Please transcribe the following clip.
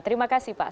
terima kasih pak